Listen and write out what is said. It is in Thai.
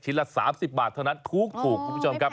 ละ๓๐บาทเท่านั้นถูกคุณผู้ชมครับ